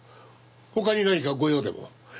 他に何かご用でも？